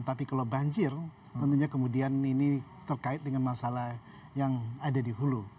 tapi kalau banjir tentunya kemudian ini terkait dengan masalah yang ada di hulu